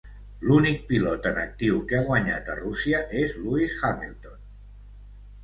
L'únic pilot en actiu que ha guanyat a Rússia és Lewis Hamilton.